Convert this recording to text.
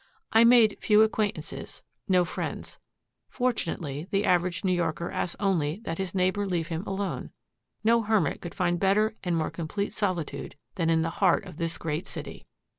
I made few acquaintances, no friends. Fortunately, the average New Yorker asks only that his neighbor leave him alone. No hermit could find better and more complete solitude than in the heart of this great city."